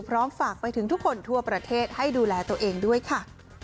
ฝากไปถึงทุกคนทั่วประเทศให้ดูแลตัวเองด้วยค่ะ